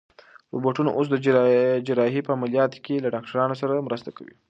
روبوټونه اوس د جراحۍ په عملیاتو کې له ډاکټرانو سره مرسته کوي.